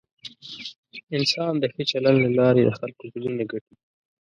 انسان د ښه چلند له لارې د خلکو زړونه ګټي.